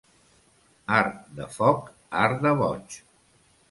Art de foc, art de boig.